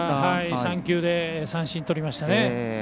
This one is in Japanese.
３球で三振とりましたね。